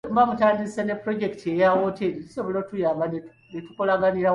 Ne bwemuba mutandise ne Pulojekiti eya Hotel kisobola okutuyamba ne tukolaganira wamu.